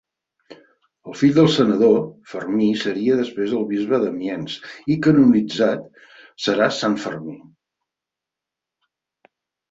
El fill del senador, Fermí seria després el bisbe d'Amiens i, canonitzat, serà Sant Fermí.